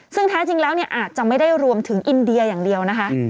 ซึ่งแท้จริงแล้วเนี่ยอาจจะไม่ได้รวมถึงอินเดียอย่างเดียวนะคะ